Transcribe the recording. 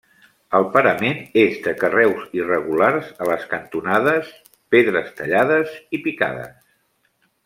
El parament és de carreus irregulars, a les cantonades, pedres tallades i picades.